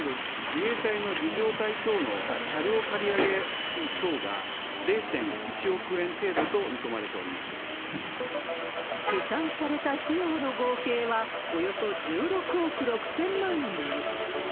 自衛隊の儀じょう隊等の車両借り上げ費等が０．１億円程度と見込試算された費用の合計はおよそ１６億６０００万円に。